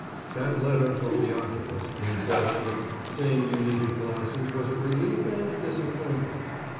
That letter from the oculist, in Portsmouth, saying you needed glasses was a relief and a disappointment.